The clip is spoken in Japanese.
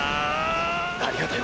ありがとよ！！